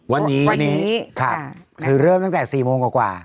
วันนี้คือเริ่มตั้งแต่๔โมงกว่ากว่า